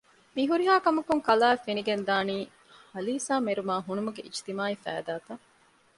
މިހުރިހާކަމަކުން ކަލާއަށް ފެނިގެންދާނީ ހަލީސާމެރުމާ ހުނުމުގެ އިޖުތިމާޢީ ފައިދާތައް